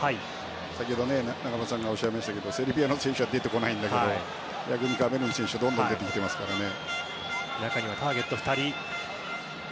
先ほど中村さんがおっしゃいましたがセルビアの選手は出てこないんだけど逆にカメルーンの選手はどんどん出てきていますからね。